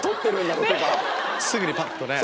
すぐにぱっとね。